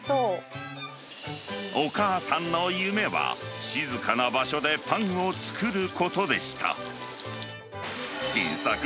お母さんの夢は、静かな場所でパンを作ることでした。